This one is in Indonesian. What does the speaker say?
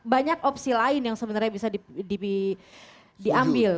banyak opsi lain yang sebenarnya bisa diambil